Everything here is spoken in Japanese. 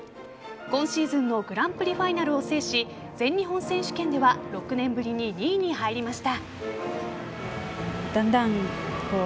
今シーズンのグランプリファイナルを制し全日本選手権では６年ぶりに２位に入りました。